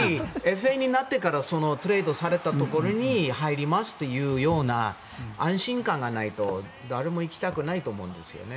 つまり、ＦＡになってからトレードされたところに入りますというような安心感がないと誰も行きたくないと思うんです。